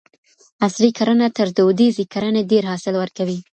عصري کرنه تر دودیزې کرني ډیر حاصل ورکوي.